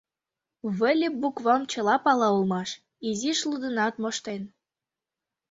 Выльып буквам чыла пала улмаш, изиш лудынат моштен.